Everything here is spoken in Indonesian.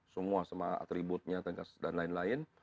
semua semua atributnya dan lain lain